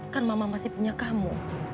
kan mama masih punya kamu